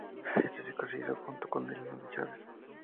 Este disco se hizo junto con Lino Chávez.